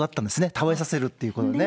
食べさせるっていうことのね。